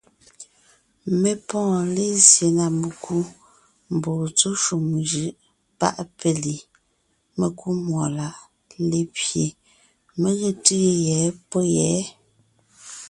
Mé pɔ́ɔn lézye na mekú mbɔɔ tsɔ́ shúm njʉ́ʼ páʼ péli, mekúmúɔláʼ lépye, mé ge tʉ́ʉ yɛ̌ pɔ̌ yɛ̌.